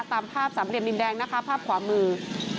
ตามภาพสามเหลี่ยมดินแดงนะคะภาพขวามือ